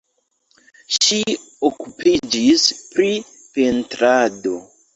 Ŝi okupiĝis pri pentrado.